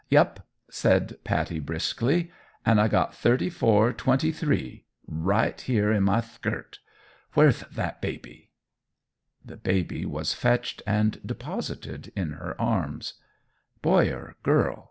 "Yep," said Pattie, briskly; "an' I got thirty four twenty three right here in my thkirt. Where'th that baby?" The baby was fetched and deposited in her arms. "Boy or girl?"